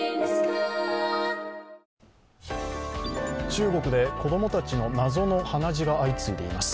中国で子供たちの謎の鼻血が相次いでいます。